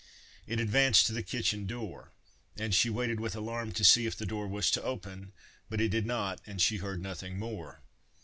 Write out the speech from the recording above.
It advanced to the kitchen door, and she waited with alarm to see if the door was to open; but it did not, and she heard nothing more.